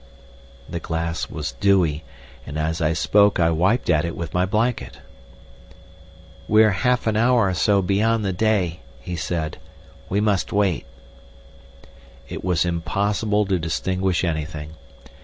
The glass was dewy, and as I spoke I wiped at it with my blanket. "We're half an hour or so beyond the day," he said. "We must wait." It was impossible to distinguish anything.